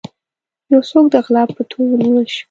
يو څوک د غلا په تور ونيول شو.